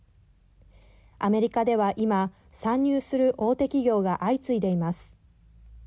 アメリカでは今、参入する大手企業が相次いでいます。